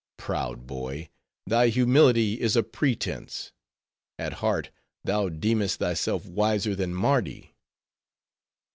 "Proud boy! thy humility is a pretense; at heart, thou deemest thyself wiser than Mardi."